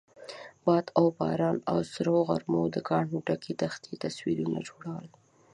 باد او باران او سرو غرمو د کاڼو ډکې دښتې تصویرونه جوړول.